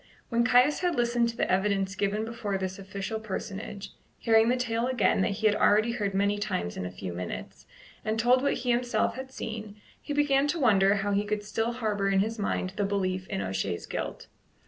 When Caius had listened to the evidence given before this official personage, hearing the tale again that he had already heard many times in a few minutes, and told what he himself had seen, he began to wonder how he could still harbour in his mind the belief in O'Shea's guilt.